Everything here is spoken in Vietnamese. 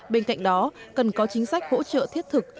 bên cạnh đó cần có chính sách hỗ trợ thiết thực